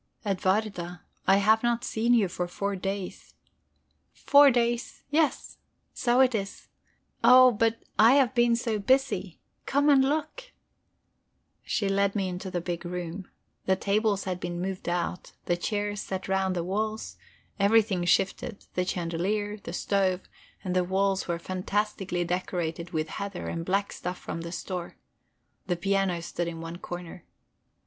"Edwarda, I have not seen you for four days." "Four days, yes so it is. Oh, but I have been so busy. Come and look." She led me into the big room. The tables had been moved out, the chairs set round the walls, everything shifted; the chandelier, the stove, and the walls were fantastically decorated with heather and black stuff from the store. The piano stood in one corner.